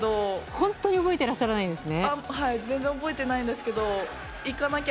本当に覚えてらっしゃらないんですね。